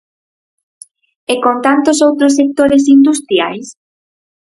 E con tantos outros sectores industriais?